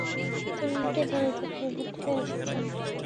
তিনি একটি দরিদ্র পরিবার থেকে এসেছেন।